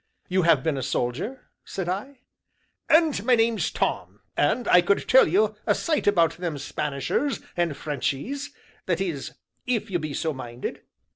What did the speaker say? "You have been a soldier?" said I. "And my name's Tom, and I could tell you a sight about them Spanishers, and Frenchies that is, if you be so minded?"